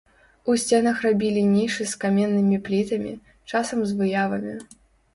У сценах рабілі нішы з каменнымі плітамі, часам з выявамі.